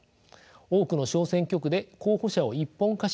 多くの小選挙区で候補者を一本化し